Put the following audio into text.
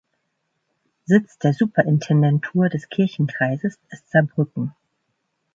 Sitz der Superintendentur des Kirchenkreises ist Saarbrücken.